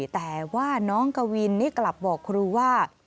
แต่ว่าน้องกวินนี่กลับบอกครูว่า